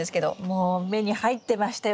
もう目に入ってましたよ。